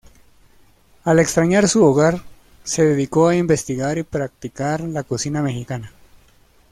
Al extrañar su hogar, se dedicó a investigar y practicar la cocina mexicana.